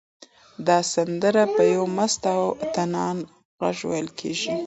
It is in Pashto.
دا سندره په یو مست او طنان غږ ویل کېږي.